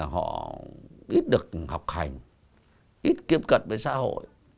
họ ít được học hành ít tiếp cận với xã hội